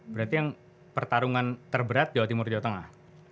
berarti yang pertarungan terberat jawa timur jawa tengah